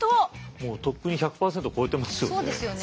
もうとっくに１００％超えてますよね。